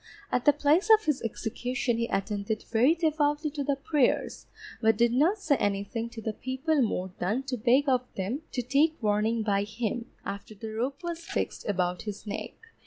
At the place of his execution he attended very devoutly to the prayers, but did not say anything to the people more than to beg of them to take warning by him, after the rope was fixed about his neck.